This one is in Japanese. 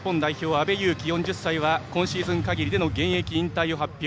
阿部勇樹、４０歳は今シーズン限りでの現役引退を発表。